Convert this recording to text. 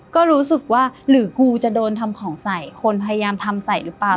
ก็รู้สึกว่าหรือกูจะโดนทำของใส่คนพยายามทำใส่หรือเปล่า